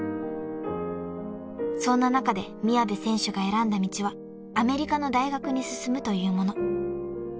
［そんな中で宮部選手が選んだ道はアメリカの大学に進むというもの］